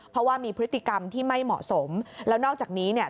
เพราะว่ามีพฤติกรรมที่ไม่เหมาะสมแล้วนอกจากนี้เนี่ย